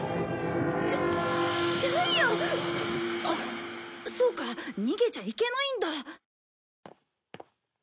あっそうか逃げちゃいけないんだ。